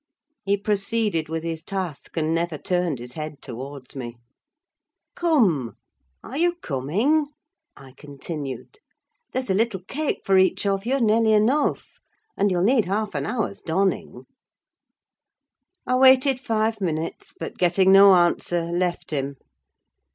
He proceeded with his task, and never turned his head towards me. "Come—are you coming?" I continued. "There's a little cake for each of you, nearly enough; and you'll need half an hour's donning." I waited five minutes, but getting no answer left him.